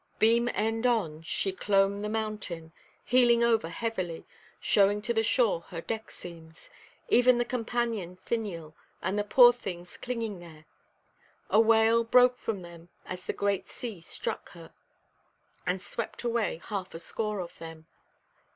Beam–end on she clomb the mountain, heeling over heavily, showing to the shore her deck–seams,—even the companion–finial, and the poor things clinging there; a wail broke from them as the great sea struck her, and swept away half a score of them.